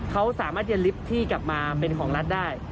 เขาสามารถเย็นลิฟท์ที่กลับมาเป็นของรัฐได้